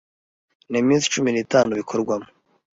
n'iminsi cumi nitanu bikorwamo